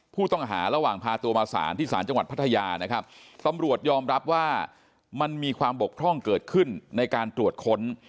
ผู้ต้องหาระหว่างพาตัวมาสารที่ศาลจังหวัดพัทยานะครับตำรวจยอมรับว่ามันมีความบกพร่องเกิดขึ้นในการตรวจค้น